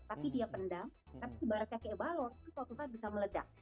tapi dia pendam tapi ibaratnya kayak balon itu suatu saat bisa meledak